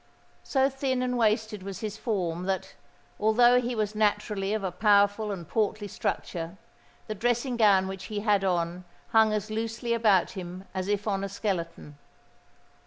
So thin and wasted was his form, that, although he was naturally of a powerful and portly structure, the dressing gown which he had on hung as loosely about him as if on a skeleton.